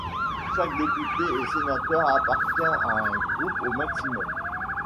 Chaque député ou sénateur appartient à un groupe au maximum.